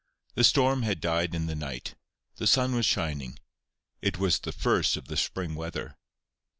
The storm had died in the night. The sun was shining. It was the first of the spring weather.